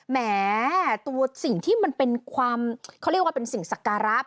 แหมตัวสิ่งที่มันเป็นความเขาเรียกว่าเป็นสิ่งศักระ